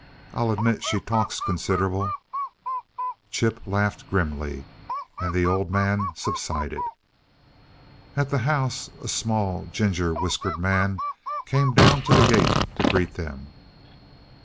I admit she talks consider'ble " Chip laughed grimly, and the Old Man subsided. At the house a small, ginger whiskered man came down to the gate to greet them.